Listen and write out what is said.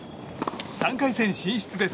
３回戦進出です。